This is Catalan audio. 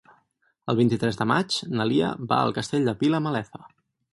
El vint-i-tres de maig na Lia va al Castell de Vilamalefa.